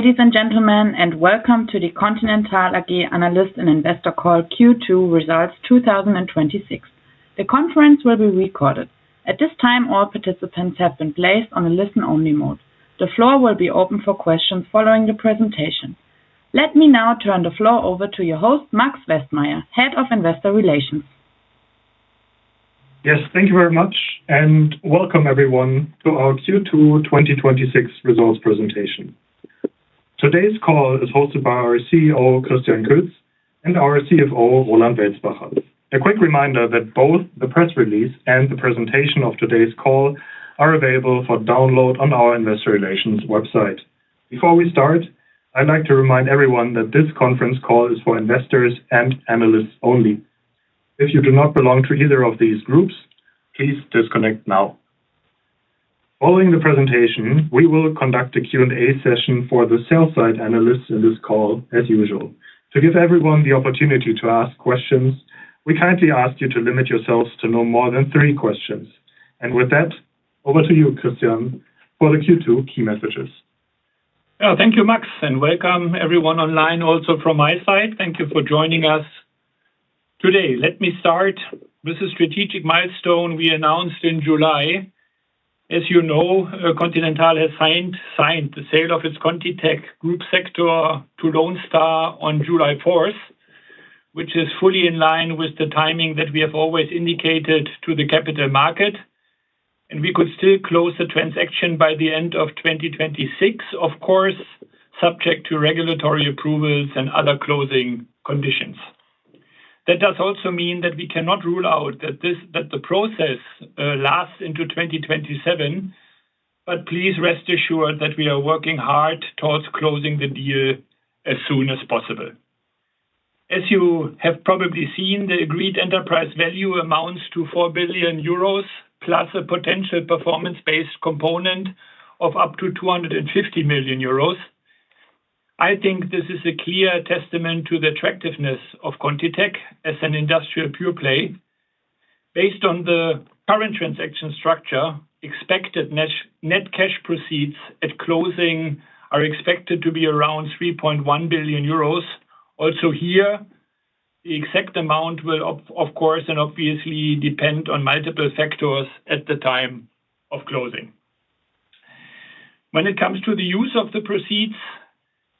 Ladies and gentlemen, welcome to the Continental AG Analyst and Investor Call Q2 Results 2026. The conference will be recorded. At this time, all participants have been placed on a listen-only mode. The floor will be open for questions following the presentation. Let me now turn the floor over to your host, Max Westmeyer, Head of Investor Relations. Yes, thank you very much, welcome everyone to our Q2 2026 results presentation. Today's call is hosted by our CEO, Christian Kötz, and our CFO, Roland Welzbacher. A quick reminder that both the press release and the presentation of today's call are available for download on our investor relations website. Before we start, I'd like to remind everyone that this conference call is for investors and analysts only. If you do not belong to either of these groups, please disconnect now. Following the presentation, we will conduct a Q&A session for the sell-side analysts in this call as usual. To give everyone the opportunity to ask questions, we kindly ask you to limit yourselves to no more than three questions. With that, over to you, Christian, for the Q2 key messages. Thank you, Max, welcome everyone online also from my side. Thank you for joining us today. Let me start with a strategic milestone we announced in July. As you know, Continental has signed the sale of its ContiTech group sector to Lone Star on July 4th, which is fully in line with the timing that we have always indicated to the capital market. We could still close the transaction by the end of 2026, of course, subject to regulatory approvals and other closing conditions. That does also mean that we cannot rule out that the process lasts into 2027, please rest assured that we are working hard towards closing the deal as soon as possible. As you have probably seen, the agreed enterprise value amounts to 4 billion euros, plus a potential performance-based component of up to 250 million euros. I think this is a clear testament to the attractiveness of ContiTech as an industrial pure play. Based on the current transaction structure, expected net cash proceeds at closing are expected to be around 3.1 billion euros. Also here, the exact amount will of course, obviously depend on multiple factors at the time of closing. When it comes to the use of the proceeds,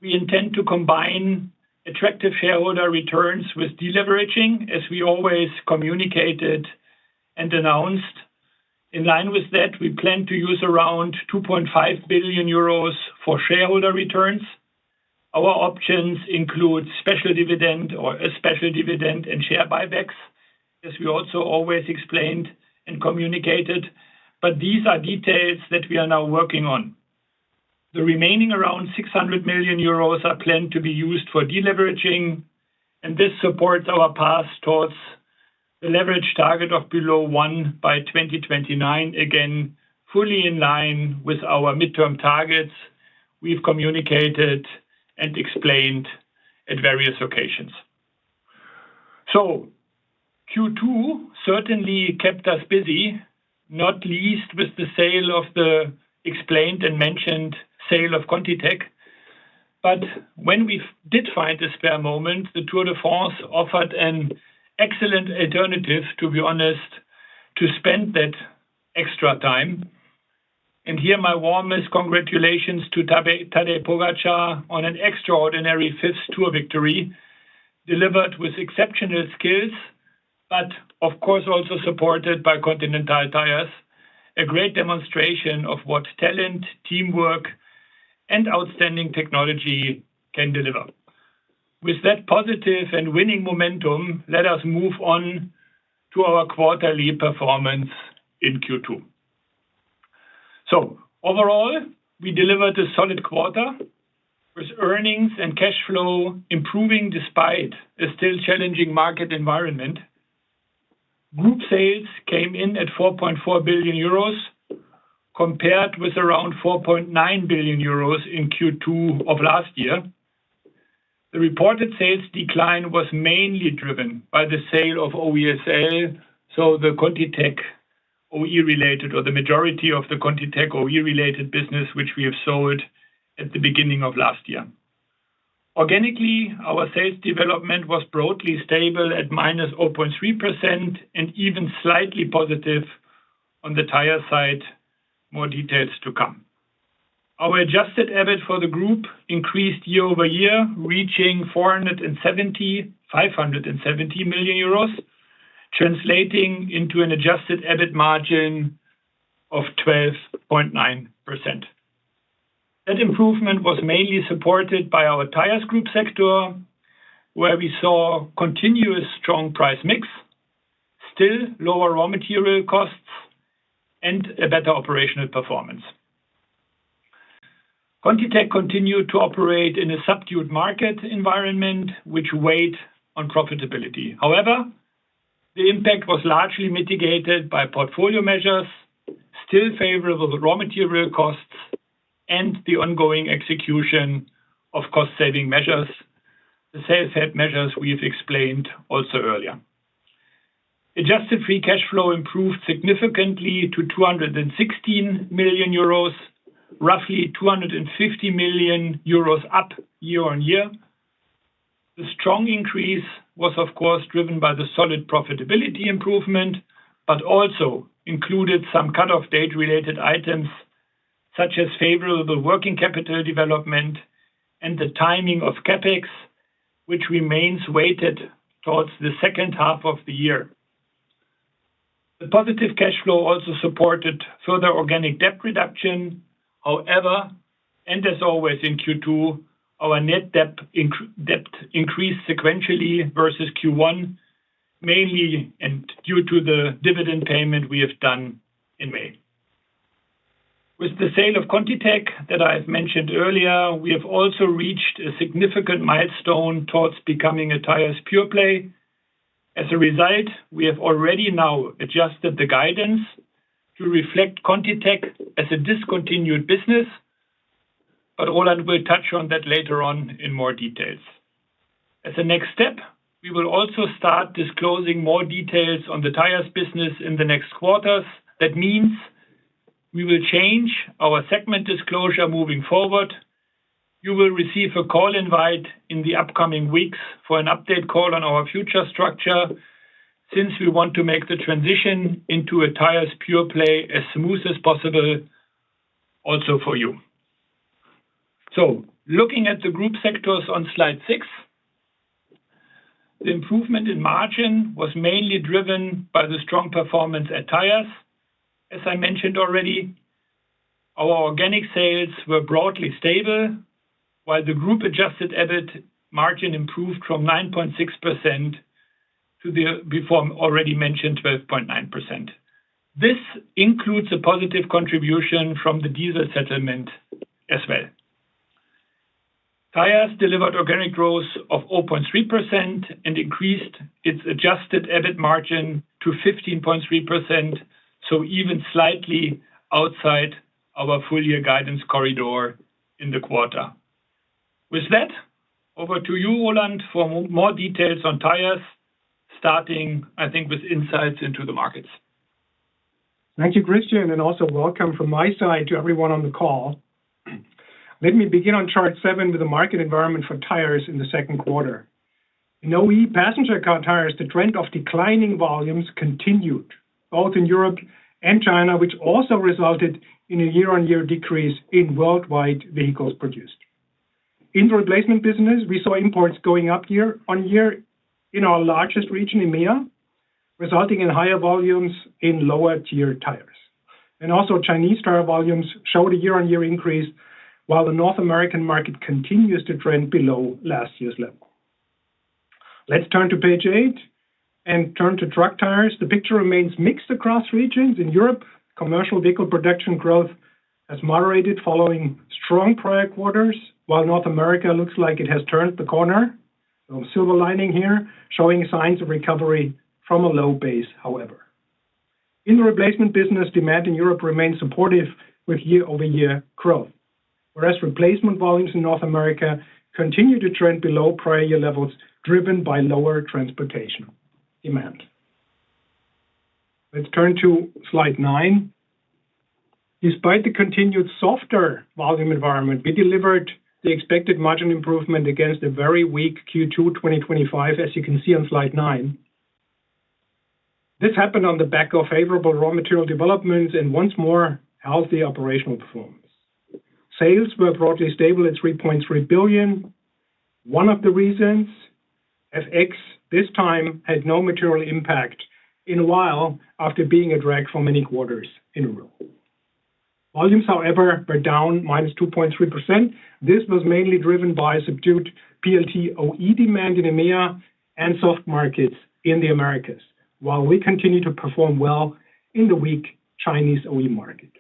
we intend to combine attractive shareholder returns with deleveraging, as we always communicated and announced. In line with that, we plan to use around 2.5 billion euros for shareholder returns. Our options include special dividend or a special dividend and share buybacks, as we also always explained and communicated. These are details that we are now working on. The remaining around 600 million euros are planned to be used for deleveraging. This supports our path towards the leverage target of below one by 2029. Again, fully in line with our midterm targets we've communicated and explained at various occasions. Q2 certainly kept us busy, not least with the sale of the explained and mentioned sale of ContiTech. When we did find a spare moment, the Tour de France offered an excellent alternative, to be honest, to spend that extra time. Here, my warmest congratulations to Tadej Pogačar on an extraordinary fifth Tour de France victory, delivered with exceptional skills, but of course also supported by Continental Tires. A great demonstration of what talent, teamwork, and outstanding technology can deliver. With that positive and winning momentum, let us move on to our quarterly performance in Q2. Overall, we delivered a solid quarter with earnings and cash flow improving despite a still challenging market environment. Group sales came in at 4.4 billion euros compared with around 4.9 billion euros in Q2 of last year. The reported sales decline was mainly driven by the sale of OESL, so the ContiTech OE related or the majority of the ContiTech OE related business, which we have sold at the beginning of last year. Organically, our sales development was broadly stable at -0.3% and even slightly positive on the Tire side. More details to come. Our adjusted EBIT for the group increased year-over-year, reaching 570 million euros, translating into an adjusted EBIT margin of 12.9%. That improvement was mainly supported by our Tires group sector, where we saw continuous strong price mix, still lower raw material costs, and a better operational performance. ContiTech continued to operate in a subdued market environment, which weighed on profitability. However, the impact was largely mitigated by portfolio measures, still favorable raw material costs, and the ongoing execution of cost-saving measures. The sales head measures we've explained also earlier. Adjusted free cash flow improved significantly to 216 million euros, roughly 250 million euros up year-on-year. The strong increase was, of course, driven by the solid profitability improvement, but also included some cut-off date related items such as favorable working capital development and the timing of CapEx, which remains weighted towards the second half of the year. The positive cash flow also supported further organic debt reduction. However, as always in Q2, our net debt increased sequentially versus Q1, mainly due to the dividend payment we have done in May. With the sale of ContiTech that I've mentioned earlier, we have also reached a significant milestone towards becoming a Tires pure-play. As a result, we have already now adjusted the guidance to reflect ContiTech as a discontinued business. Roland will touch on that later on in more details. As a next step, we will also start disclosing more details on the Tires business in the next quarters. That means we will change our segment disclosure moving forward. You will receive a call invite in the upcoming weeks for an update call on our future structure, since we want to make the transition into a Tires pure-play as smooth as possible also for you. Looking at the group sectors on slide six, the improvement in margin was mainly driven by the strong performance at Tires. As I mentioned already, our organic sales were broadly stable, while the group-adjusted EBIT margin improved from 9.6% to the before already mentioned 12.9%. This includes a positive contribution from the diesel settlement as well. Tires delivered organic growth of 0.3% and increased its adjusted EBIT margin to 15.3%, so even slightly outside our full-year guidance corridor in the quarter. With that, over to you, Roland, for more details on Tires starting, I think, with insights into the markets. Thank you, Christian, welcome from my side to everyone on the call. Let me begin on chart seven with the market environment for Tires in the second quarter. In OE passenger car tires, the trend of declining volumes continued both in Europe and China, which also resulted in a year-on-year decrease in worldwide vehicles produced. In the replacement business, we saw imports going up year-on-year in our largest region, EMEA, resulting in higher volumes in lower tier tires. Chinese tire volumes showed a year-on-year increase while the North American market continues to trend below last year's level. Let's turn to page eight and turn to truck tires. The picture remains mixed across regions. In Europe, commercial vehicle production growth has moderated following strong prior quarters, while North America looks like it has turned the corner. A little silver lining here, showing signs of recovery from a low base, however. In the replacement business, demand in Europe remains supportive with year-over-year growth, whereas replacement volumes in North America continue to trend below prior year levels, driven by lower transportation demand. Let's turn to slide nine. Despite the continued softer volume environment, we delivered the expected margin improvement against a very weak Q2 2025, as you can see on slide nine. This happened on the back of favorable raw material developments and once more healthy operational performance. Sales were broadly stable at 3.3 billion. One of the reasons, as FX this time had no material impact in a while after being a drag for many quarters in a row. Volumes, however, were down -2.3%. This was mainly driven by subdued PLT OE demand in EMEA and soft markets in the Americas, while we continue to perform well in the weak Chinese OE market.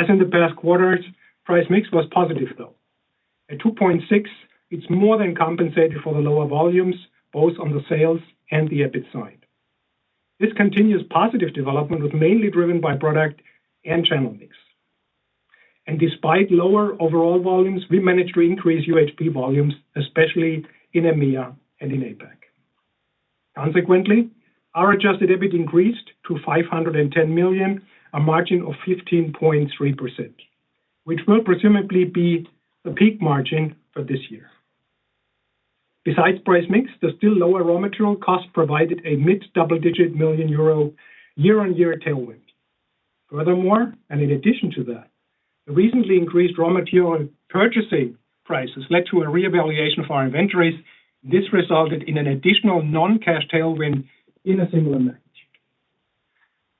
As in the past quarters, price mix was positive, though. At 2.6%, it's more than compensated for the lower volumes, both on the sales and the EBIT side. This continuous positive development was mainly driven by product and channel mix. Despite lower overall volumes, we managed to increase UHP volumes, especially in EMEA and in APAC. Consequently, our adjusted EBIT increased to 510 million, a margin of 15.3%, which will presumably be the peak margin for this year. Besides price mix, the still lower raw material cost provided a mid-double-digit million euro year-on-year tailwind. Furthermore, in addition to that, the recently increased raw material purchasing prices led to a reevaluation of our inventories. This resulted in an additional non-cash tailwind in a similar magnitude.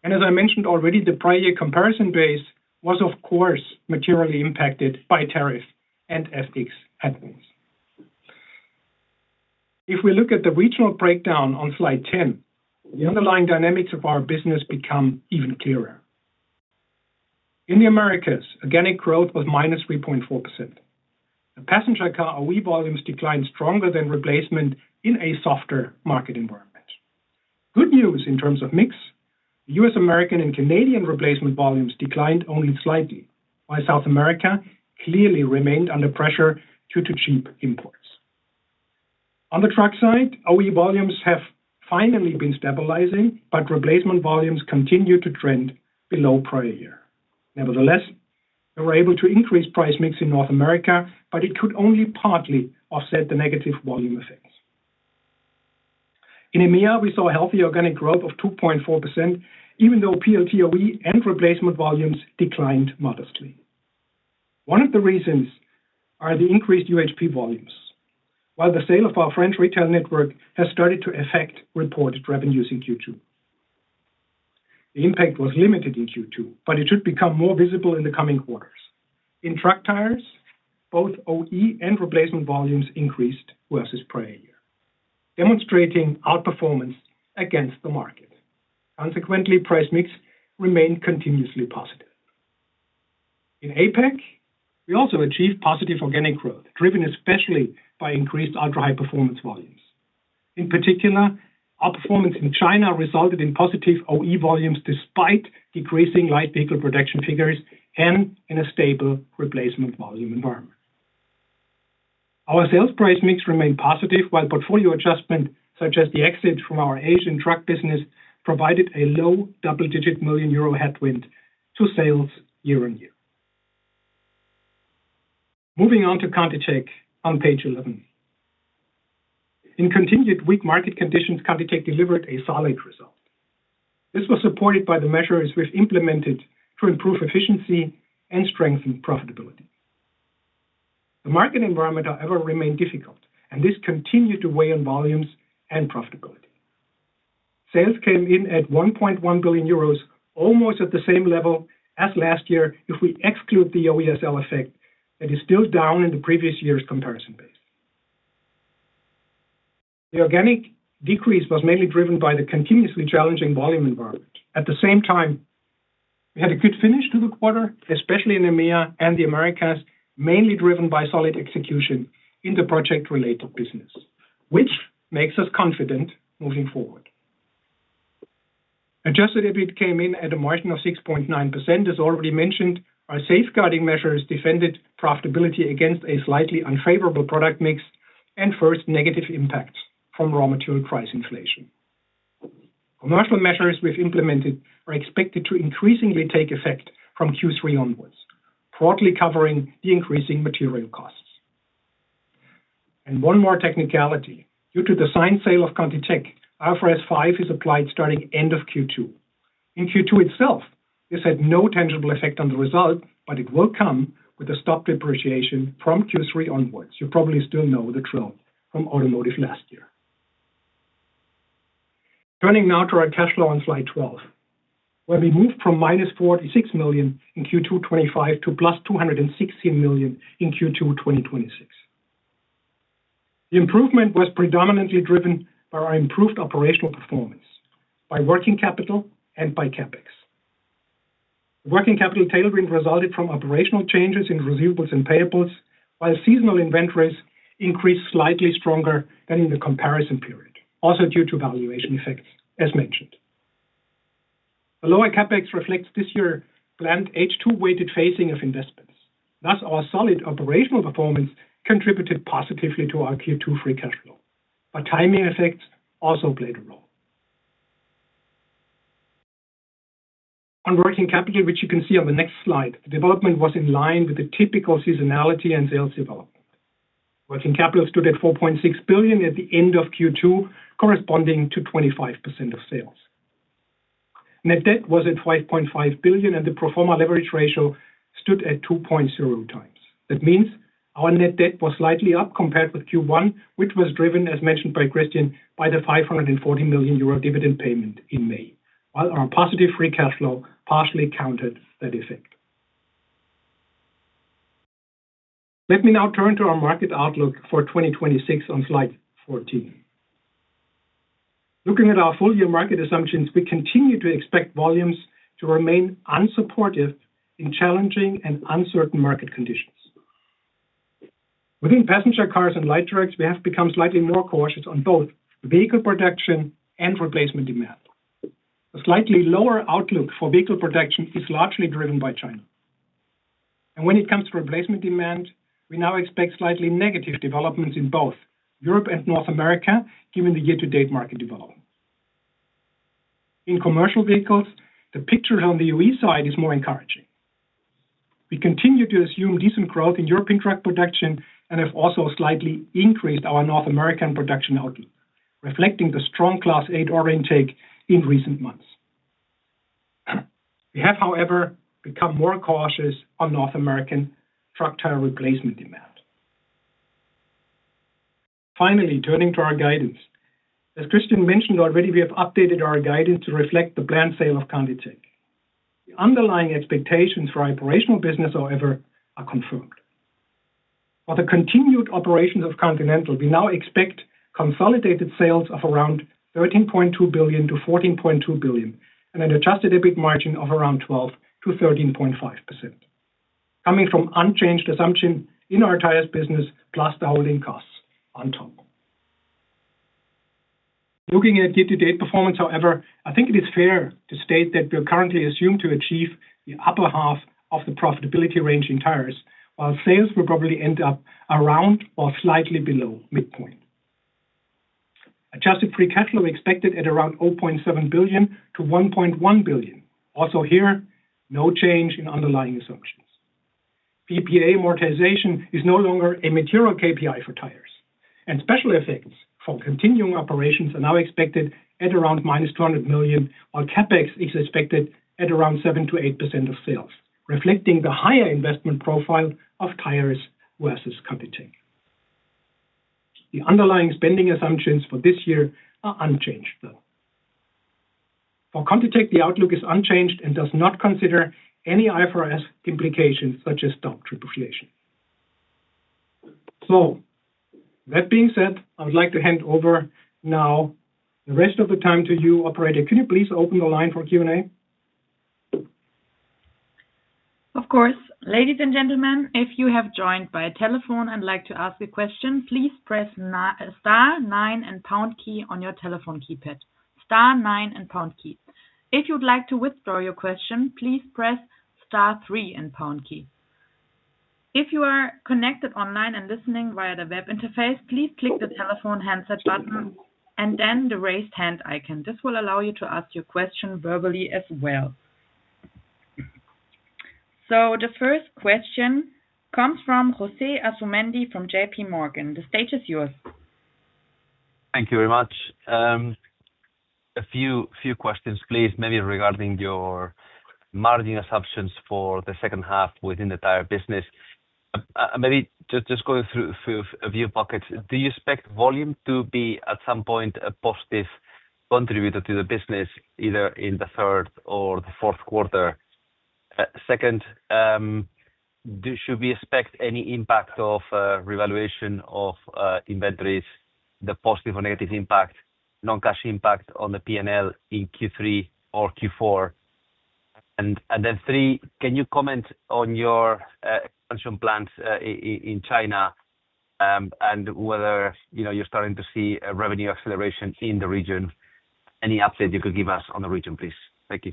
As I mentioned already, the prior year comparison base was, of course, materially impacted by tariff and FX headwinds. If we look at the regional breakdown on slide 10, the underlying dynamics of our business become even clearer. In the Americas, organic growth was -3.4%. The passenger car OE volumes declined stronger than replacement in a softer market environment. Good news in terms of mix U.S. American and Canadian replacement volumes declined only slightly, while South America clearly remained under pressure due to cheap imports. On the truck side, OE volumes have finally been stabilizing, but replacement volumes continue to trend below prior year. Nevertheless, we were able to increase price mix in North America, it could only partly offset the negative volume effects. In EMEA, we saw a healthy organic growth of 2.4%, even though PLT OE and replacement volumes declined modestly. One of the reasons are the increased UHP volumes, while the sale of our French retail network has started to affect reported revenues in Q2. The impact was limited in Q2, it should become more visible in the coming quarters. In truck tires, both OE and replacement volumes increased versus prior year, demonstrating outperformance against the market. Consequently, price mix remained continuously positive. In APAC, we also achieved positive organic growth, driven especially by increased ultra-high performance volumes. In particular, outperformance in China resulted in positive OE volumes despite decreasing light vehicle production figures and in a stable replacement volume environment. Our sales price mix remained positive while portfolio adjustment, such as the exit from our Asian truck business, provided a low double-digit million euro headwind to sales year-on-year. Moving on to ContiTech on page 11. In continued weak market conditions, ContiTech delivered a solid result. This was supported by the measures we've implemented to improve efficiency and strengthen profitability. The market environment, however, remained difficult, this continued to weigh on volumes and profitability. Sales came in at 1.1 billion euros, almost at the same level as last year, if we exclude the OESL effect that is still down in the previous year's comparison base. The organic decrease was mainly driven by the continuously challenging volume environment. At the same time, we had a good finish to the quarter, especially in EMEA and the Americas, mainly driven by solid execution in the project-related business, which makes us confident moving forward. Adjusted EBIT came in at a margin of 6.9%, as already mentioned. Our safeguarding measures defended profitability against a slightly unfavorable product mix and first negative impacts from raw material price inflation. Commercial measures we've implemented are expected to increasingly take effect from Q3 onwards, partly covering the increasing material costs. One more technicality. Due to the signed sale of ContiTech, IFRS 5 is applied starting end of Q2. In Q2 itself, this had no tangible effect on the result, it will come with a stop depreciation from Q3 onwards. You probably still know the drill from automotive last year. Turning now to our cash flow on slide 12, where we moved from -46 million in Q2 2025 to +216 million in Q2 2026. The improvement was predominantly driven by our improved operational performance by working capital and by CapEx. Working capital tailwind resulted from operational changes in receivables and payables, while seasonal inventories increased slightly stronger than in the comparison period, also due to valuation effects, as mentioned. The lower CapEx reflects this year planned H2 weighted phasing of investments. Thus, our solid operational performance contributed positively to our Q2 free cash flow, but timing effects also played a role. On working capital, which you can see on the next slide, development was in line with the typical seasonality and sales development. Working capital stood at 4.6 billion at the end of Q2, corresponding to 25% of sales. Net debt was at 12.5 billion and the pro forma leverage ratio stood at 2.0x. That means our net debt was slightly up compared with Q1, which was driven, as mentioned by Christian, by the 540 million euro dividend payment in May, while our positive free cash flow partially countered that effect. Let me now turn to our market outlook for 2026 on slide 14. Looking at our full-year market assumptions, we continue to expect volumes to remain unsupportive in challenging and uncertain market conditions. Within passenger cars and light trucks, we have become slightly more cautious on both vehicle production and replacement demand. A slightly lower outlook for vehicle production is largely driven by China. When it comes to replacement demand, we now expect slightly negative developments in both Europe and North America, given the year-to-date market development. In commercial vehicles, the picture on the OE side is more encouraging. We continue to assume decent growth in European truck production and have also slightly increased our North American production outlook, reflecting the strong Class 8 order intake in recent months. We have, however, become more cautious on North American truck tire replacement demand. Finally, turning to our guidance. As Christian mentioned already, we have updated our guidance to reflect the planned sale of ContiTech. The underlying expectations for our operational business, however, are confirmed. For the continued operations of Continental, we now expect consolidated sales of around 13.2 billion-14.2 billion and an adjusted EBIT margin of around 12%-13.5%, coming from unchanged assumption in our Tires business plus the holding costs on top. Looking at day-to-day performance, however, I think it is fair to state that we currently assume to achieve the upper half of the profitability range in Tires, while sales will probably end up around or slightly below midpoint. Adjusted free cash flow expected at around 0.7 billion-1.1 billion. Also here, no change in underlying assumptions. PPA amortization is no longer a material KPI for Tires, and special effects from continuing operations are now expected at around -200 million, while CapEx is expected at around 7%-8% of sales, reflecting the higher investment profile of Tires versus ContiTech. The underlying spending assumptions for this year are unchanged, though. For ContiTech, the outlook is unchanged and does not consider any IFRS implications such as stop depreciation. That being said, I would like to hand over now the rest of the time to you, operator. Could you please open the line for Q&A? Of course. Ladies and gentlemen, if you have joined by telephone and would like to ask a question, please press star nine and pound key on your telephone keypad. Star nine and pound key. If you'd like to withdraw your question, please press star three and pound key. If you are connected online and listening via the web interface, please click the telephone handset button and then the raise hand icon. This will allow you to ask your question verbally as well. The first question comes from José Asumendi from JPMorgan. The stage is yours. Thank you very much. A few questions, please. Maybe regarding your margin assumptions for the second half within the tire business. Maybe just going through a few pockets. Do you expect volume to be, at some point, a positive contributor to the business, either in the third or the fourth quarter? Second, should we expect any impact of revaluation of inventories, the positive or negative impact, non-cash impact on the P&L in Q3 or Q4? And three, can you comment on your expansion plans in China and whether you're starting to see a revenue acceleration in the region? Any update you could give us on the region, please? Thank you.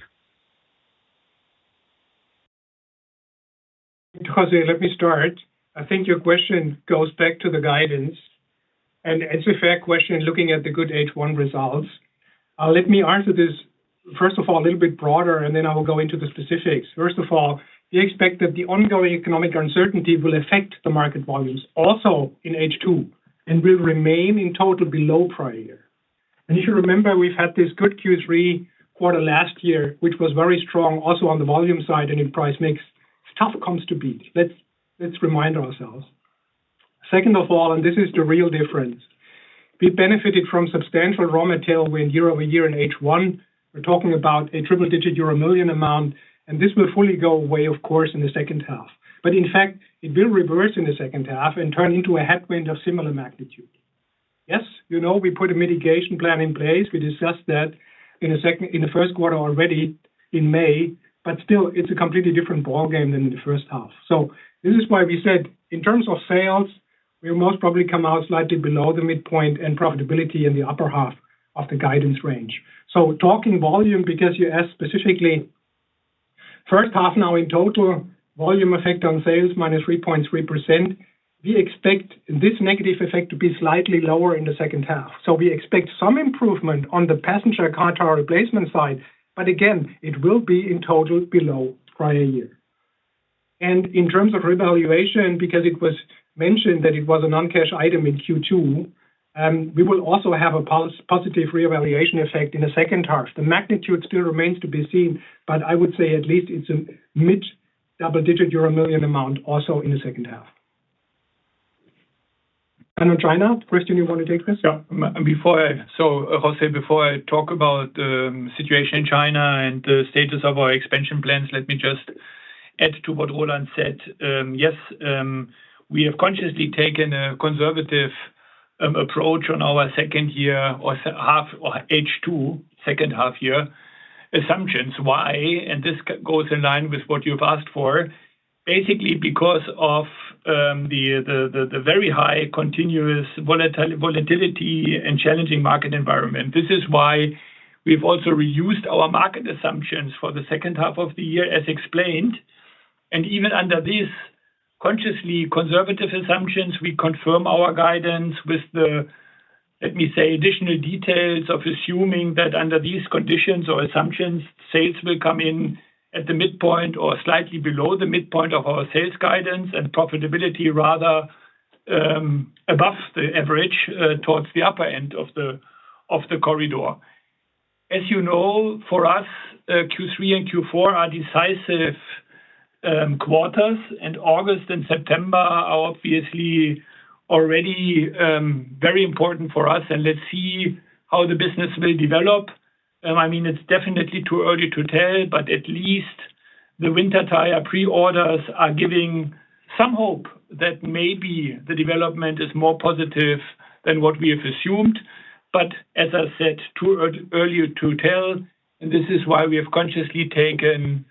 José, let me start. I think your question goes back to the guidance, and it's a fair question looking at the good H1 results. Let me answer this, first of all, a little bit broader, and then I will go into the specifics. First of all, we expect that the ongoing economic uncertainty will affect the market volumes also in H2 and will remain in total below prior year. If you remember, we've had this good Q3 quarter last year, which was very strong also on the volume side and in price mix. It's tough it comes to beat. Let's remind ourselves. Second of all, and this is the real difference, we benefited from substantial raw material win year-over-year in H1. We're talking about a triple-digit euro million amount, and this will fully go away, of course, in the second half. In fact, it will reverse in the second half and turn into a headwind of similar magnitude. Yes, you know, we put a mitigation plan in place. We discussed that in the first quarter already in May, still, it's a completely different ballgame than in the first half. This is why we said in terms of sales, we'll most probably come out slightly below the midpoint and profitability in the upper half of the guidance range. Talking volume, because you asked specifically, first half now in total, volume effect on sales, -3.3%. We expect this negative effect to be slightly lower in the second half. We expect some improvement on the passenger car tire replacement side, but again, it will be in total below prior year. In terms of revaluation, because it was mentioned that it was a non-cash item in Q2, we will also have a positive reevaluation effect in the second half. The magnitude still remains to be seen, I would say at least it's a mid-double digit euro million amount also in the second half. On China, Christian, you want to take this? José, before I talk about the situation in China and the status of our expansion plans, let me just add to what Roland said. Yes, we have consciously taken a conservative approach on our second year or H2 second half year assumptions. Why? This goes in line with what you've asked for. Basically because of the very high continuous volatility and challenging market environment. This is why we've also reused our market assumptions for the second half of the year, as explained. Even under these consciously conservative assumptions, we confirm our guidance with the, let me say, additional details of assuming that under these conditions or assumptions, sales will come in at the midpoint or slightly below the midpoint of our sales guidance and profitability rather above the average towards the upper end of the corridor. As you know, for us, Q3 and Q4 are decisive quarters, August and September are obviously already very important for us, let's see how the business will develop. It's definitely too early to tell, but at least the winter tire pre-orders are giving some hope that maybe the development is more positive than what we have assumed. As I said, too early to tell, this is why we have consciously taken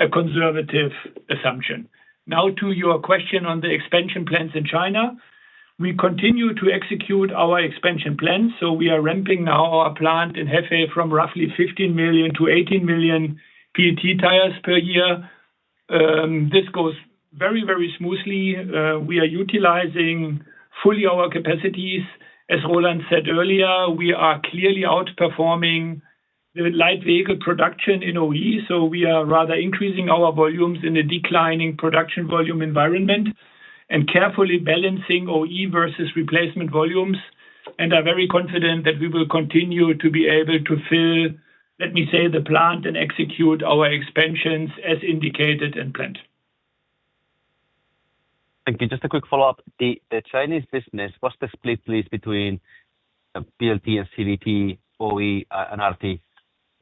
a conservative assumption. Now to your question on the expansion plans in China, we continue to execute our expansion plans. We are ramping now our plant in Hefei from roughly 15 million to 18 million PLT tires per year. This goes very smoothly. We are utilizing fully our capacities. As Roland said earlier, we are clearly outperforming the light vehicle production in OE. We are rather increasing our volumes in a declining production volume environment and carefully balancing OE versus replacement volumes and are very confident that we will continue to be able to fill, let me say, the plant and execute our expansions as indicated and planned. Thank you. Just a quick follow-up. The Chinese business, what's the split, please, between PLT and CVT, OE, and RT?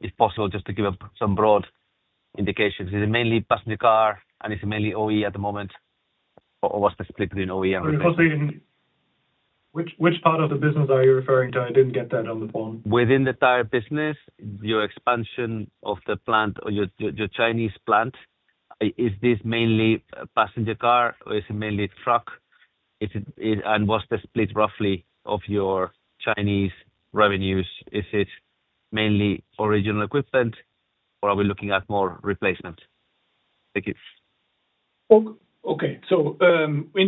If possible, just to give some broad indications. Is it mainly passenger car and is it mainly OE at the moment, or what's the split between OE and- José, which part of the business are you referring to? I didn't get that on the phone. Within the Tires business, your expansion of the plant or your Chinese plant, is this mainly passenger car or is it mainly truck? What's the split, roughly, of your Chinese revenues? Is it mainly original equipment or are we looking at more replacement? Thank you. In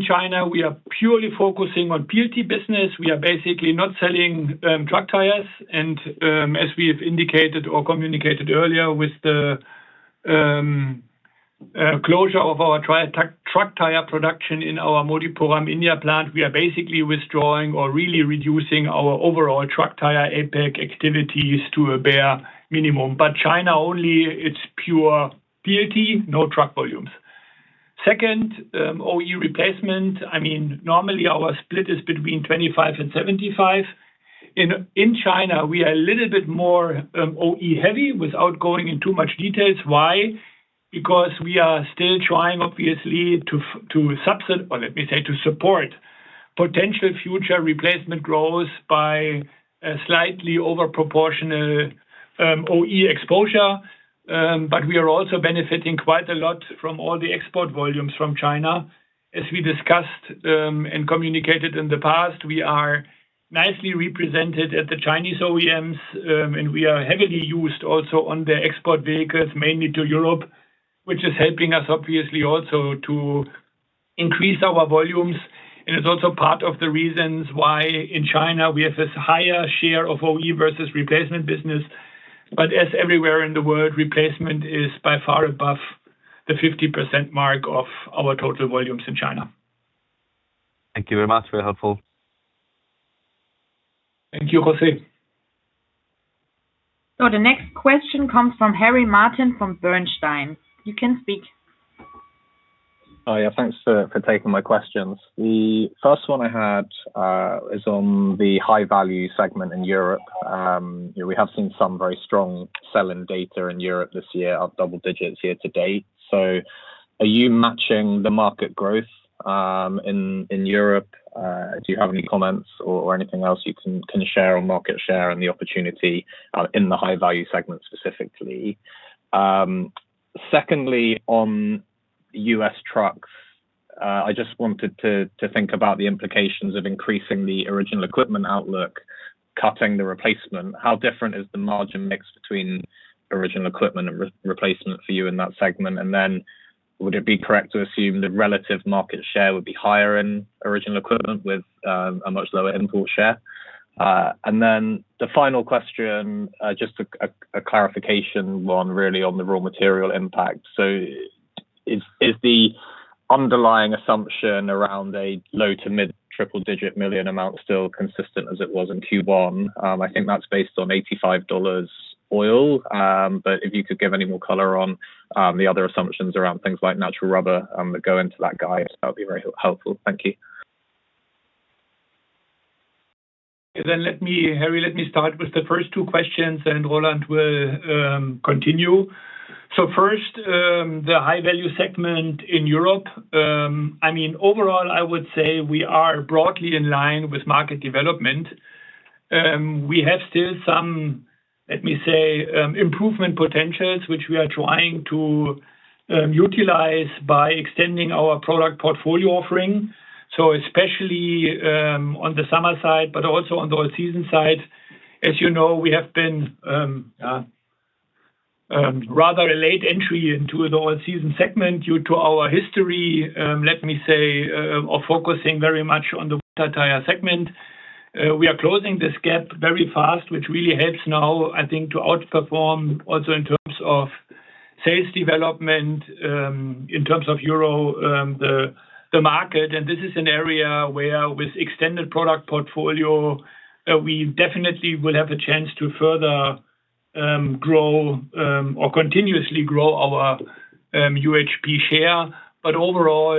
China, we are purely focusing on PLT business. We are basically not selling truck tires. As we have indicated or communicated earlier with the closure of our truck tire production in our Modipuram India plant, we are basically withdrawing or really reducing our overall truck tire APAC activities to a bare minimum. China only, it is pure PLT, no truck volumes. Second, OE replacement. Normally, our split is between 25% and 75%. In China, we are a little bit more OE-heavy, without going in too much details. Why? Because we are still trying, obviously, to support potential future replacement growth by a slightly overproportional OE exposure. We are also benefiting quite a lot from all the export volumes from China. As we discussed and communicated in the past, we are nicely represented at the Chinese OEMs, and we are heavily used also on their export vehicles, mainly to Europe, which is helping us obviously also to increase our volumes. It is also part of the reasons why in China we have this higher share of OE versus replacement business. As everywhere in the world, replacement is by far above the 50% mark of our total volumes in China. Thank you very much. Very helpful. Thank you, José. The next question comes from Harry Martin from Bernstein. You can speak. Oh, yeah. Thanks for taking my questions. The first one I had is on the high-value segment in Europe. We have seen some very strong selling data in Europe this year of double digits here to date. Are you matching the market growth, in Europe? Do you have any comments or anything else you can share on market share and the opportunity in the high-value segment specifically? Secondly, on U.S. trucks, I just wanted to think about the implications of increasing the original equipment outlook, cutting the replacement. How different is the margin mix between original equipment and replacement for you in that segment? Would it be correct to assume that relative market share would be higher in original equipment with a much lower import share? The final question, just a clarification one really on the raw material impact. Is the underlying assumption around a low to mid triple-digit million amount still consistent as it was in Q1? I think that's based on $85 oil. If you could give any more color on the other assumptions around things like natural rubber that go into that guide, that would be very helpful. Thank you. Harry, let me start with the first two questions, and Roland will continue. First, the high-value segment in Europe. Overall, I would say we are broadly in line with market development. We have still some, let me say, improvement potentials, which we are trying to utilize by extending our product portfolio offering. Especially, on the summer side, but also on the all-season side. As you know, we have been rather a late entry into the all-season segment due to our history, let me say, of focusing very much on the winter tire segment. We are closing this gap very fast, which really helps now, I think, to outperform also in terms of sales development, in terms of euro, the market. This is an area where with extended product portfolio, we definitely will have the chance to further grow or continuously grow our UHP share. Overall,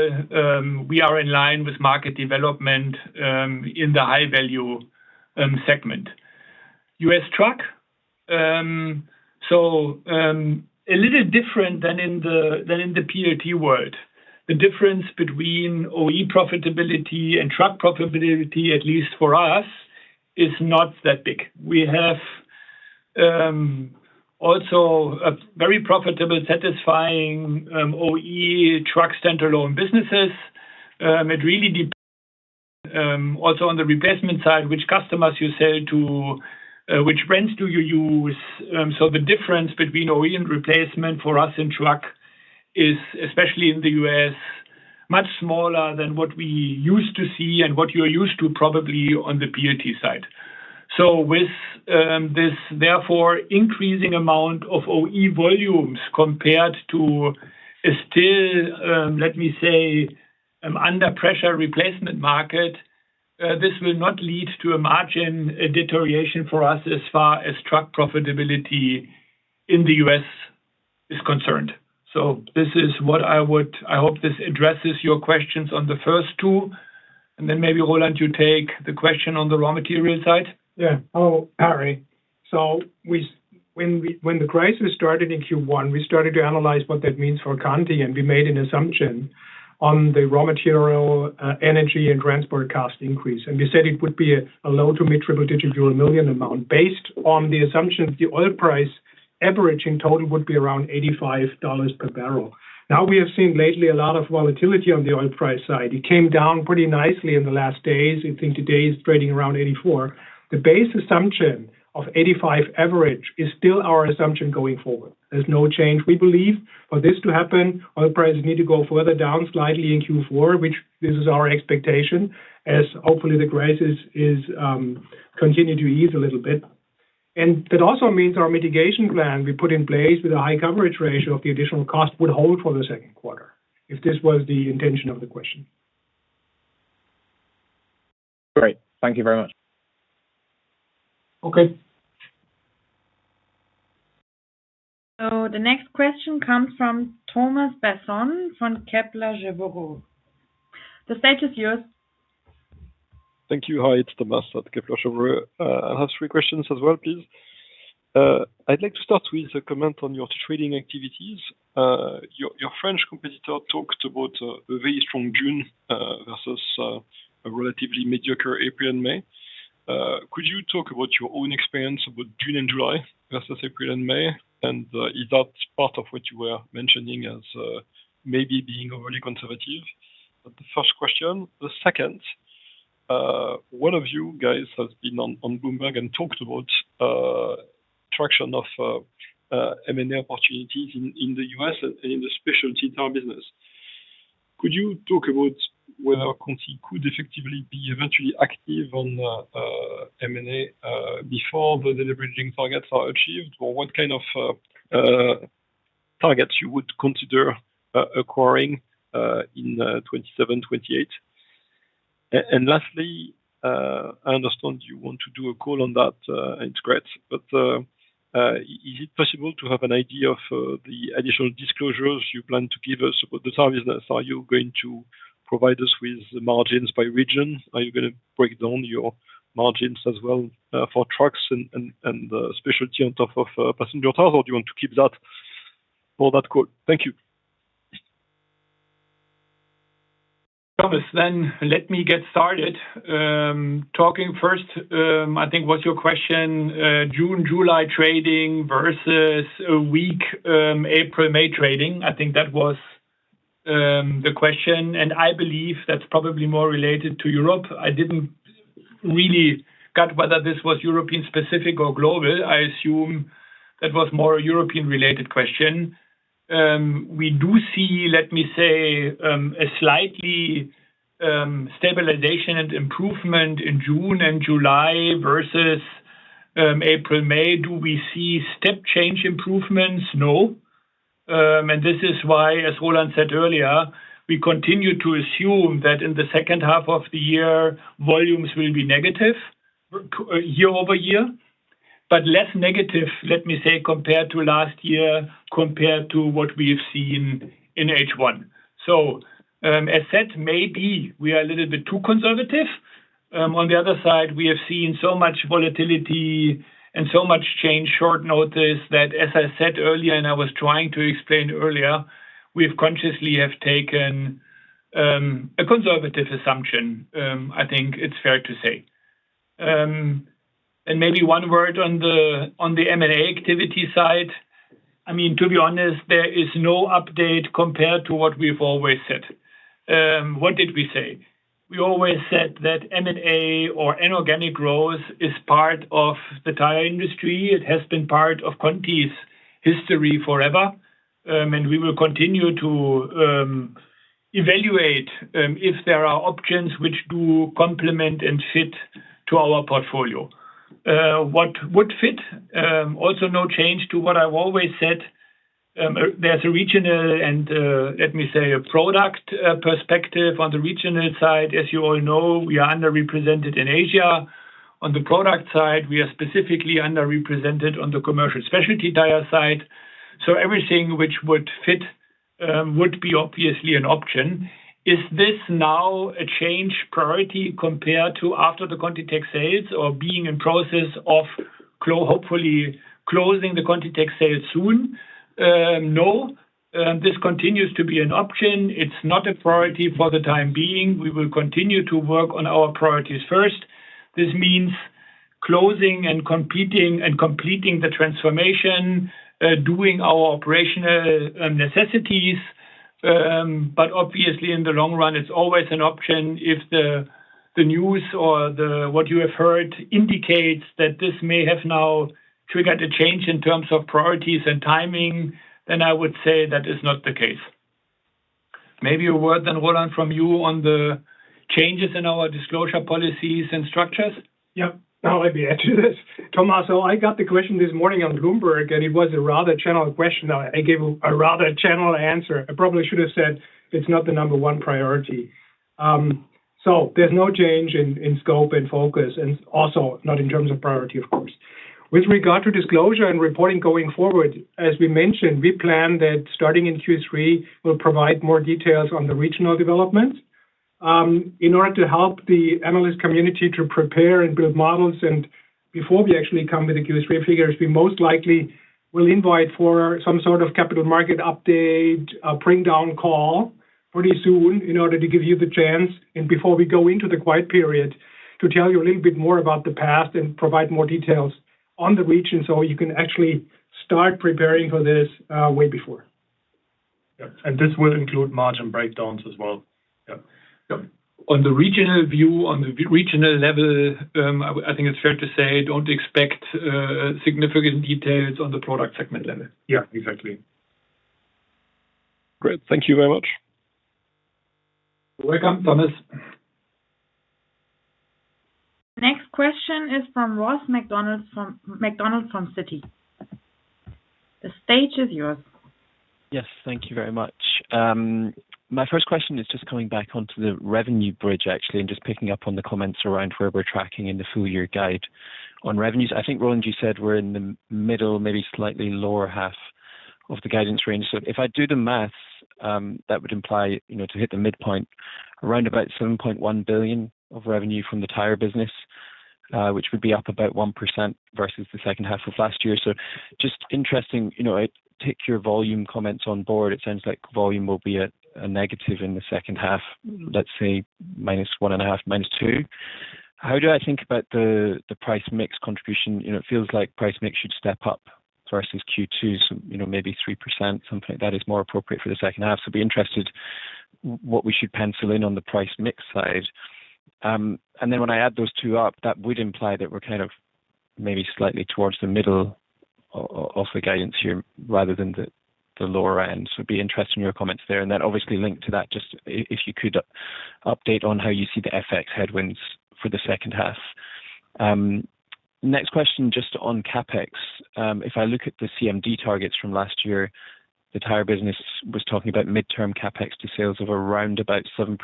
we are in line with market development in the high-value segment. U.S. trucks. A little different than in the PLT world. The difference between OE profitability and truck profitability, at least for us, is not that big. We have also a very profitable, satisfying OE truck standalone businesses. It really depends also on the replacement side, which customers you sell to, which brands do you use. The difference between OE and replacement for us in truck is, especially in the U.S., much smaller than what we used to see and what you're used to probably on the PLT side. With this, therefore, increasing amount of OE volumes compared to a still, let me say, under-pressure replacement market, this will not lead to a margin deterioration for us as far as truck profitability in the U.S. is concerned. I hope this addresses your questions on the first two, maybe, Roland, you take the question on the raw material side. Yeah. Harry. When the crisis started in Q1, we started to analyze what that means for Continental, we made an assumption on the raw material, energy, and transport cost increase. We said it would be a low to mid-triple digit euro million amount, based on the assumption that the oil price average in total would be around $85 per bbl. We have seen lately a lot of volatility on the oil price side. It came down pretty nicely in the last days. I think today it's trading around $84. The base assumption of $85 average is still our assumption going forward. There's no change. We believe for this to happen, oil prices need to go further down slightly in Q4, which this is our expectation, as hopefully the crisis is continuing to ease a little bit. That also means our mitigation plan we put in place with a high coverage ratio of the additional cost would hold for the second quarter, if this was the intention of the question. Great. Thank you very much. Okay. The next question comes from Thomas Besson from Kepler Cheuvreux. The stage is yours. Thank you. Hi, it's Thomas at Kepler Cheuvreux. I have three questions as well, please. I'd like to start with a comment on your trading activities. Your French competitor talked about a very strong June versus a relatively mediocre April and May. Could you talk about your own experience about June and July versus April and May? Is that part of what you were mentioning as maybe being overly conservative? The first question. The second, one of you guys has been on Bloomberg and talked about traction of M&A opportunities in the U.S. and in the specialty tire business. Could you talk about whether Continental could effectively be eventually active on M&A before the deleveraging targets are achieved? Or what kind of targets you would consider acquiring in 2027, 2028? Lastly, I understand you want to do a call on that, and it's great, but is it possible to have an idea of the additional disclosures you plan to give us about the Tires business? Are you going to provide us with the margins by region? Are you going to break down your margins as well for trucks and the specialty on top of passenger tires, or do you want to keep that for that call? Thank you. Thomas, let me get started. Talking first, I think, was your question June, July trading versus a weak April, May trading. I think that was the question. I believe that is probably more related to Europe. I did not really get whether this was European-specific or global. I assume that was more a European-related question. We do see, let me say, a slight stabilization and improvement in June and July versus April, May. Do we see step change improvements? No. This is why, as Roland said earlier, we continue to assume that in the second half of the year, volumes will be negative year-over-year, but less negative, let me say, compared to last year, compared to what we have seen in H1. As said, maybe we are a little bit too conservative. On the other side, we have seen so much volatility and so much change short notice that as I said earlier, I was trying to explain earlier, we consciously have taken a conservative assumption. I think it is fair to say. Maybe one word on the M&A activity side. To be honest, there is no update compared to what we have always said. What did we say? We always said that M&A or inorganic growth is part of the tire industry. It has been part of Continental's history forever. We will continue to evaluate if there are options which do complement and fit to our portfolio. What would fit? Also no change to what I have always said. There is a regional, let me say, a product perspective. On the regional side, as you all know, we are underrepresented in Asia. On the product side, we are specifically underrepresented on the commercial specialty tire side. Everything which would fit would be obviously an option. Is this now a change priority compared to after the ContiTech sales or being in process of hopefully closing the ContiTech sale soon? No, this continues to be an option. It is not a priority for the time being. We will continue to work on our priorities first. This means closing and completing the transformation, doing our operational necessities. Obviously in the long run, it is always an option if the news or what you have heard indicates that this may have now triggered a change in terms of priorities and timing, I would say that is not the case. Maybe a word, Roland, from you on the changes in our disclosure policies and structures. Yeah. I will happy add to this, Thomas. I got the question this morning on Bloomberg. It was a rather general question. I gave a rather general answer. I probably should have said it is not the number one priority. There is no change in scope and focus, also not in terms of priority, of course. With regard to disclosure and reporting going forward, as we mentioned, we plan that starting in Q3, we will provide more details on the regional development. In order to help the analyst community to prepare and build models, before we actually come with the Q3 figures, we most likely will invite for some sort of capital market update, a bring down call pretty soon in order to give you the chance, and before we go into the quiet period, to tell you a little bit more about the past and provide more details on the region so you can actually start preparing for this way before. Yep. This will include margin breakdowns as well. Yep. Yep. On the regional view, on the regional level, I think it's fair to say, don't expect significant details on the product segment level. Yeah, exactly. Great. Thank you very much. You're welcome, Thomas. Next question is from Ross MacDonald from Citi. The stage is yours. Yes. Thank you very much. My first question is just coming back onto the revenue bridge, actually, and just picking up on the comments around where we're tracking in the full-year guide on revenues. I think, Roland, you said we're in the middle, maybe slightly lower half of the guidance range. If I do the maths, that would imply to hit the midpoint, around about 7.1 billion of revenue from the Tires business, which would be up about 1% versus the second half of last year. Just interesting. I take your volume comments on board. It sounds like volume will be a negative in the second half, let's say, -1.5%, -2%. How do I think about the price mix contribution? It feels like price mix should step up versus Q2, so maybe 3%, something like that is more appropriate for the second half. I'd be interested what we should pencil in on the price mix side. When I add those two up, that would imply that we're maybe slightly towards the middle of the guidance here rather than the lower end. I'd be interested in your comments there. Obviously linked to that, just if you could update on how you see the FX headwinds for the second half. Next question, just on CapEx. If I look at the CMD targets from last year, the Tires business was talking about midterm CapEx to sales of around about 7%.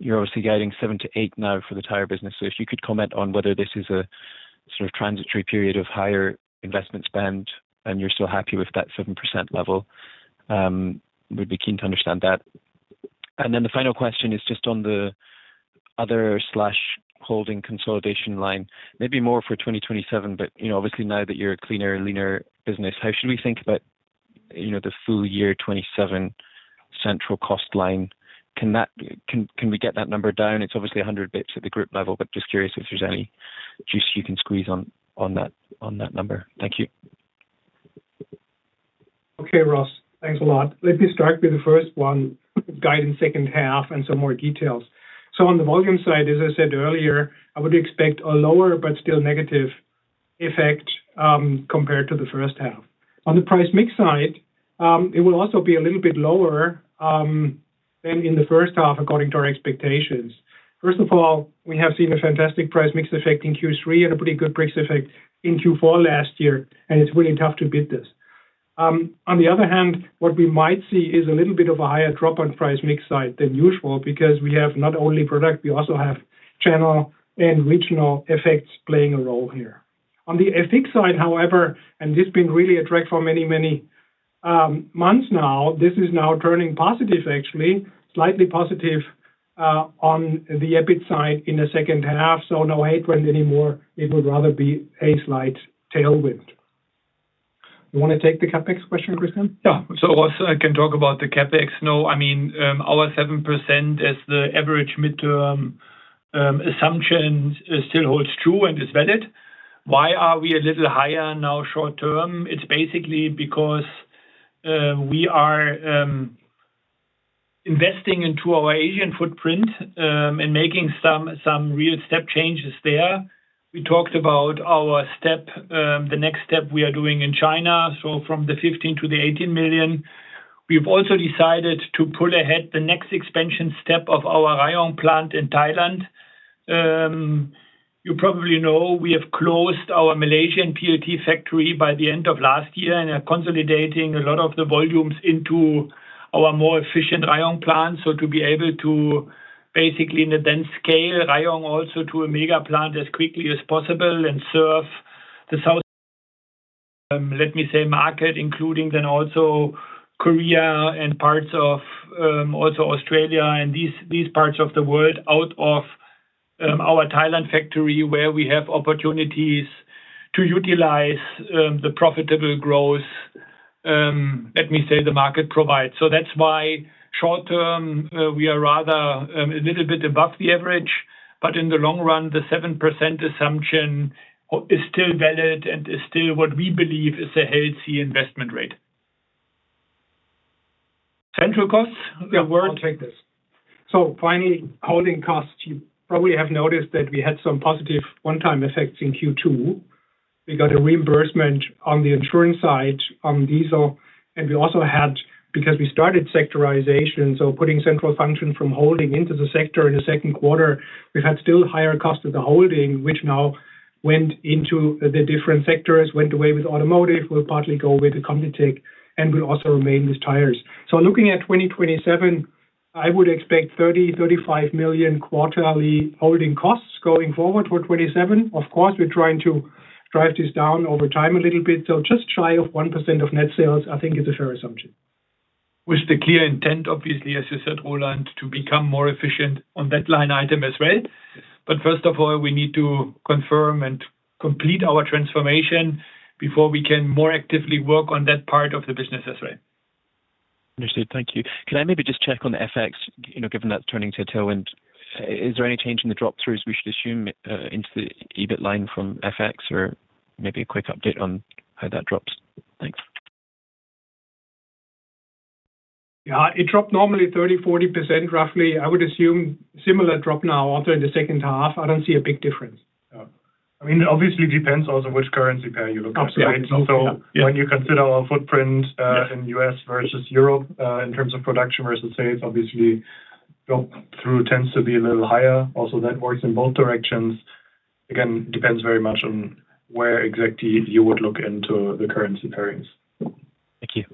You're obviously guiding 7%-8% now for the Tires business. If you could comment on whether this is a sort of transitory period of higher investment spend and you're still happy with that 7% level. We'd be keen to understand that. The final question is just on the other/holding consolidation line, maybe more for 2027, but obviously now that you're a cleaner, leaner business, how should we think about the full year 2027 central cost line? Can we get that number down? It's obviously 100 basis points at the group level, but just curious if there's any juice you can squeeze on that number. Thank you. Okay, Ross. Thanks a lot. Let me start with the first one, guidance second half and some more details. On the volume side, as I said earlier, I would expect a lower but still negative effect compared to the first half. On the price mix side, it will also be a little bit lower than in the first half according to our expectations. First of all, we have seen a fantastic price mix effect in Q3 and a pretty good price effect in Q4 last year, and it's really tough to beat this. On the other hand, what we might see is a little bit of a higher drop on price mix side than usual because we have not only product, we also have channel and regional effects playing a role here. On the FX side, however, this has been really a drag for many, many months now, this is now turning positive, actually, slightly positive on the EBIT side in the second half, no headwind anymore. It would rather be a slight tailwind. You want to take the CapEx question, Christian? Yeah. Also I can talk about the CapEx. No, our 7% as the average midterm assumption still holds true and is valid. Why are we a little higher now short term? It's basically because we are investing into our Asian footprint and making some real step changes there. We talked about the next step we are doing in China, from the 15 million to the 18 million. We've also decided to pull ahead the next expansion step of our Rayong plant in Thailand. You probably know we have closed our Malaysian PLT factory by the end of last year and are consolidating a lot of the volumes into our more efficient Rayong plant. To be able to basically then scale Rayong also to a mega plant as quickly as possible and serve the South, let me say, market, including then also Korea and parts of Australia and these parts of the world out of our Thailand factory, where we have opportunities to utilize the profitable growth, let me say, the market provides. That's why short term, we are rather a little bit above the average, but in the long run, the 7% assumption is still valid and is still what we believe is a healthy investment rate. Central costs. Yeah. I'll take this. Finally, holding costs. You probably have noticed that we had some positive one-time effects in Q2. We got a reimbursement on the insurance side on diesel, and we also had, because we started sectorization, putting central function from holding into the sector in the second quarter, we've had still higher cost of the holding, which now went into the different sectors, went away with automotive, will partly go with the ContiTech and will also remain with Tires. Looking at 2027, I would expect 30 million-35 million quarterly holding costs going forward for 2027. Of course, we're trying to drive this down over time a little bit. Just shy of 1% of net sales I think is a fair assumption. With the clear intent, obviously, as you said, Roland, to become more efficient on that line item as well. First of all, we need to confirm and complete our transformation before we can more actively work on that part of the business as well. Understood. Thank you. Can I maybe just check on the FX, given that turning to a tailwind, is there any change in the drop-throughs we should assume into the EBIT line from FX? Or maybe a quick update on how that drops. Thanks. Yeah. It dropped normally 30%-40% roughly. I would assume similar drop now also in the second half. I don't see a big difference. Yeah. Obviously, it depends also which currency pair you look at, right? Absolutely. Yeah. When you consider our footprint. Yeah. in U.S. versus Europe, in terms of production versus sales, obviously drop through tends to be a little higher. That works in both directions. Depends very much on where exactly you would look into the currency pairings. Thank you.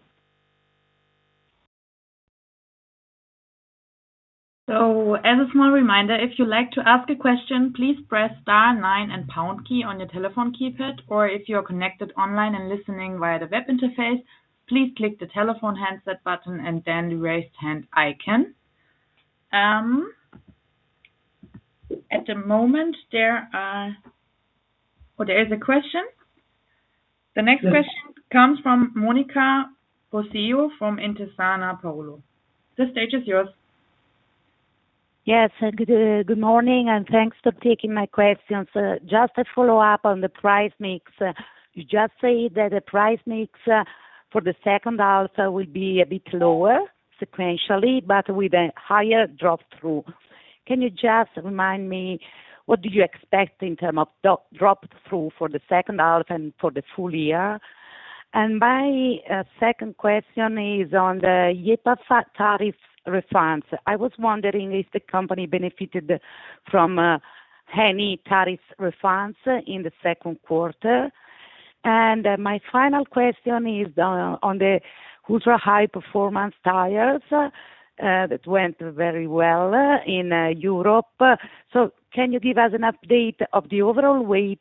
As a small reminder, if you'd like to ask a question, please press star nine and pound key on your telephone keypad, or if you're connected online and listening via the web interface, please click the telephone handset button and then the raise hand icon. At the moment, there are- Oh, there is a question. The next question comes from Monica Bosio from Intesa Sanpaolo. The stage is yours. Yes. Good morning, thanks for taking my questions. Just a follow-up on the price mix. You just said that the price mix for the second half will be a bit lower sequentially, but with a higher drop through. Can you just remind me what do you expect in terms of drop through for the second half and for the full year? My second question is on the IEEPA tariff refunds. I was wondering if the company benefited from any tariff refunds in the second quarter. My final question is on the ultra-high performance tires that went very well in Europe. Can you give us an update of the overall weight?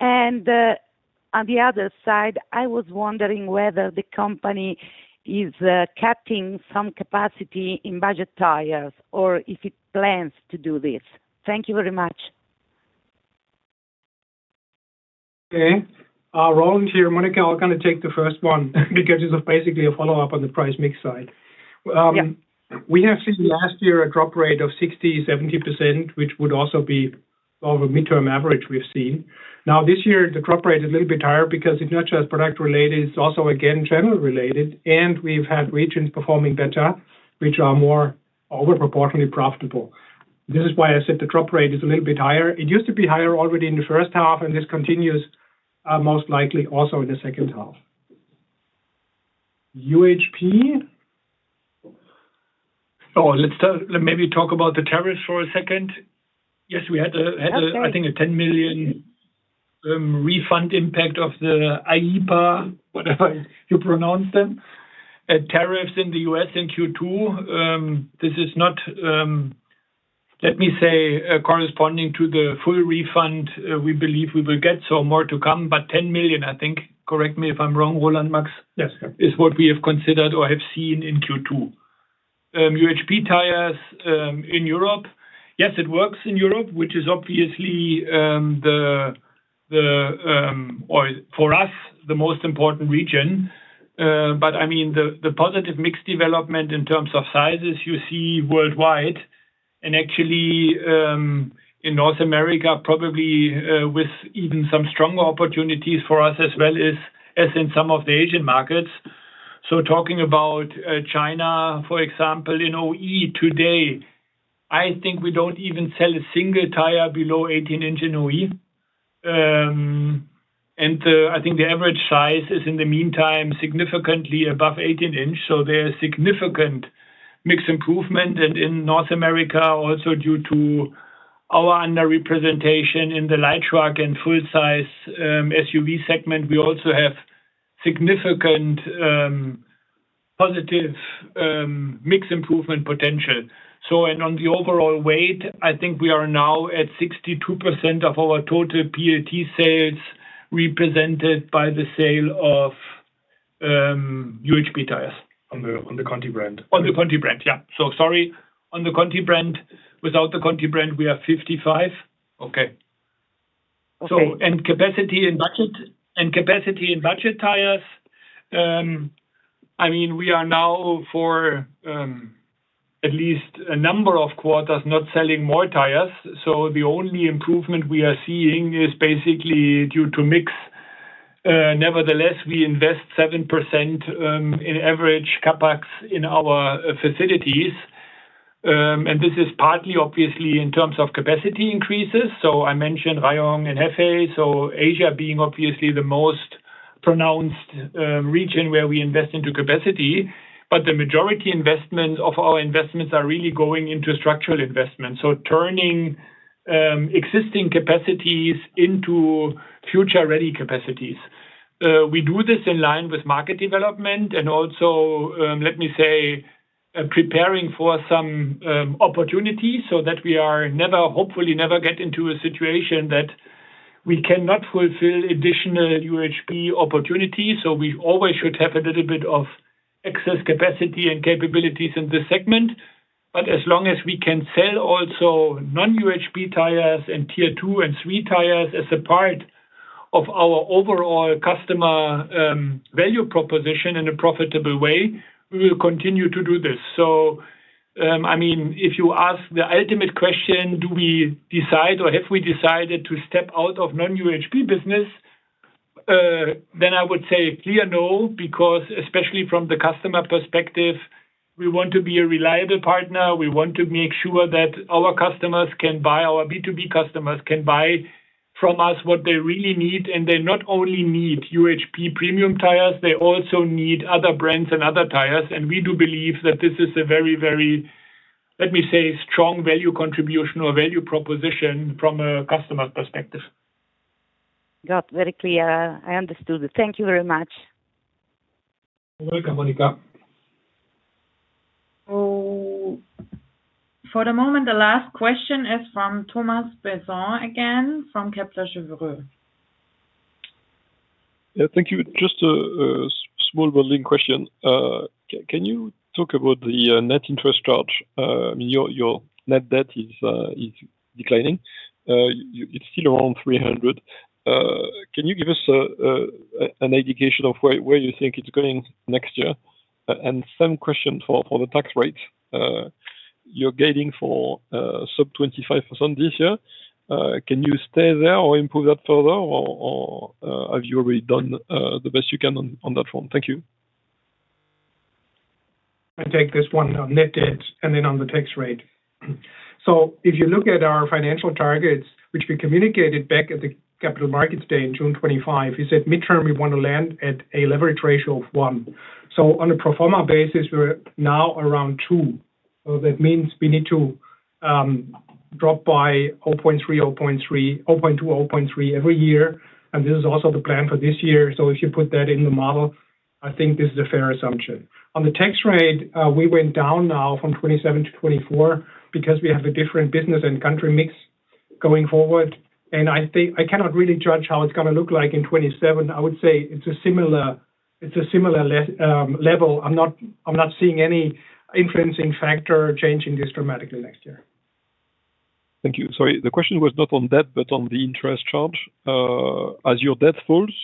On the other side, I was wondering whether the company is cutting some capacity in budget tires, or if it plans to do this. Thank you very much. Okay. Roland here. Monica, I'll take the first one because it's basically a follow-up on the price mix side. Yeah. We have seen last year a drop rate of 60%-70%, which would also be our midterm average we've seen. This year, the drop rate is a little bit higher because it's not just product related, it's also again, general related, we've had regions performing better, which are more over-proportionately profitable. This is why I said the drop rate is a little bit higher. It used to be higher already in the first half, this continues most likely also in the second half. UHP. Let's maybe talk about the tariffs for a second. Okay. I think a 10 million refund impact of the IEEPA, whatever you pronounce them, tariffs in the U.S. in Q2. This is not, let me say, corresponding to the full refund we believe we will get, so more to come, but 10 million, I think, correct me if I'm wrong, Roland, Max. Yes. Yeah. Is what we have considered or have seen in Q2. UHP tires in Europe. Yes, it works in Europe, which is obviously for us, the most important region. The positive mix development in terms of sizes you see worldwide and actually, in North America, probably with even some stronger opportunities for us as well as in some of the Asian markets. Talking about China, for example, in OE today, I think we don't even sell a single tire below 18-in in OE. I think the average size is in the meantime, significantly above 18 in. There are significant mix improvement. In North America, also due to our under-representation in the light truck and full size SUV segment, we also have significant positive mix improvement potential. On the overall weight, I think we are now at 62% of our total PLT sales represented by the sale of UHP tires. On the Conti brand. On the Conti brand. Sorry, on the Conti brand. Without the Conti brand, we are 55%. Okay. Okay. Capacity in budget tires, we are now for at least a number of quarters not selling more tires. The only improvement we are seeing is basically due to mix. Nevertheless, we invest 7% in average CapEx in our facilities. This is partly obviously in terms of capacity increases. I mentioned Rayong and Hefei. Asia being obviously the most pronounced region where we invest into capacity, but the majority of our investments are really going into structural investments. Turning existing capacities into future-ready capacities. We do this in line with market development and also, let me say, preparing for some opportunities so that we hopefully never get into a situation that we cannot fulfill additional UHP opportunities. We always should have a little bit of excess capacity and capabilities in this segment. As long as we can sell also non-UHP tires and tier 2 and 3 tires as a part of our overall customer value proposition in a profitable way, we will continue to do this. If you ask the ultimate question, do we decide or have we decided to step out of non-UHP business, then I would say a clear no, because especially from the customer perspective, we want to be a reliable partner. We want to make sure that our B2B customers can buy from us what they really need. They not only need UHP premium tires, they also need other brands and other tires. We do believe that this is a very, let me say, strong value contribution or value proposition from a customer perspective. Got it. Very clear. I understood it. Thank you very much. You're welcome, Monica. For the moment, the last question is from Thomas Besson again from Kepler Cheuvreux. Thank you. Just a small modeling question. Can you talk about the net interest charge? Your net debt is declining. It's still around 300 million. Can you give us an indication of where you think it's going next year? Same question for the tax rate. You're guiding for sub 25% this year. Can you stay there or improve that further, or have you already done the best you can on that front? Thank you. I'll take this one on net debt and then on the tax rate. If you look at our financial targets, which we communicated back at the Capital Markets Day on June 25, we said midterm, we want to land at a leverage ratio of 1x. On a pro forma basis, we're now around 2x. That means we need to drop by 0.2x, 0.3x every year, and this is also the plan for this year. If you put that in the model, I think this is a fair assumption. On the tax rate, we went down now from 27% to 24% because we have a different business and country mix going forward. I cannot really judge how it's going to look like in 2027. I would say it's a similar level. I'm not seeing any influencing factor changing this dramatically next year. Thank you. Sorry, the question was not on debt, but on the interest charge. As your debt falls,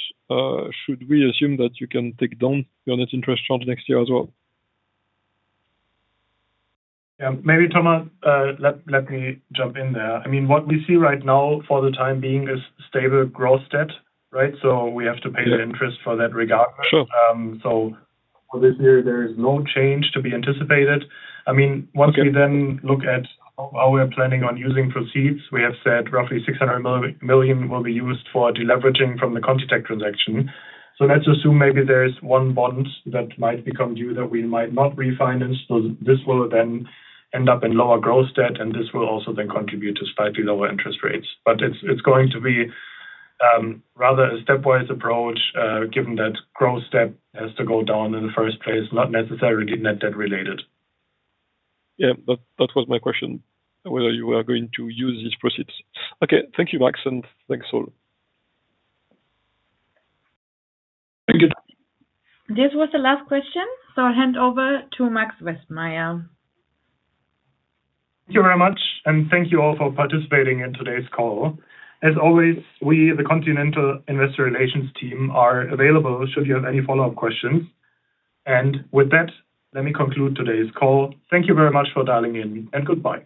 should we assume that you can take down your net interest charge next year as well? Yeah. Maybe, Thomas, let me jump in there. What we see right now for the time being is stable gross debt. We have to pay the interest for that regardless. Sure. For this year, there is no change to be anticipated. Once we then look at how we are planning on using proceeds, we have said roughly 600 million will be used for deleveraging from the ContiTech transaction. Let's assume maybe there is one bond that might become due that we might not refinance. This will then end up in lower gross debt, and this will also then contribute to slightly lower interest rates. It's going to be rather a stepwise approach, given that gross debt has to go down in the first place, not necessarily net debt related. Yeah. That was my question, whether you are going to use these proceeds. Okay. Thank you, Max, and thanks all. Thank you. This was the last question. I hand over to Max Westmeyer. Thank you very much, and thank you all for participating in today's call. As always, we, the Continental Investor Relations team, are available should you have any follow-up questions. With that, let me conclude today's call. Thank you very much for dialing in, and goodbye.